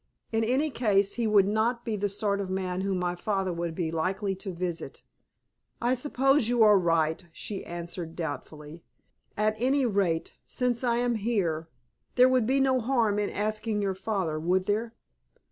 In any case he would not be the sort of man whom my father would be likely to visit." "I suppose you are right," she answered, doubtfully. "At any rate since I am here there would be no harm in asking your father, would there?"